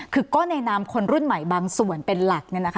คือก็ในนามคนรุ่นใหม่บางส่วนเป็นหลัก